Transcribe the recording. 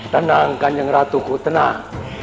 tenang kanyang ratuku tenang